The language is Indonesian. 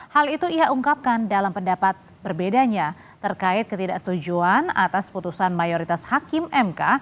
hal itu ia ungkapkan dalam pendapat berbedanya terkait ketidaksetujuan atas putusan mayoritas hakim mk